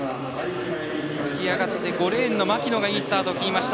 浮き上がって５レーンの牧野がいいスタートをしました。